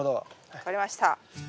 分かりました。